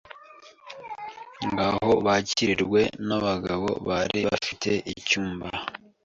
Ngaho bakiriwe nabagabo bari bafite icyumba